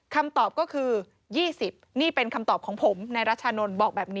คำตอบก็คือ๒๐นี่เป็นคำตอบของผมในรัชานนท์บอกแบบนี้